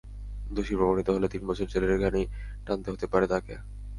দোষী প্রমাণিত হলে তিন বছর জেলের ঘানি টানতে হতে পারে তাঁকে।